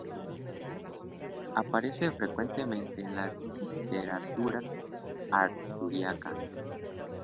Aparece frecuentemente en la literatura artúrica.